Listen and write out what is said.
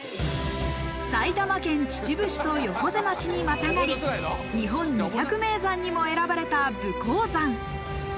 埼玉県秩父市と横瀬町にまたがり、日本二百名山にも選ばれた武甲山。